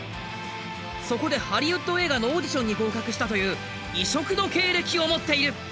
そこでハリウッド映画のオーディションに合格したという異色の経歴を持っている。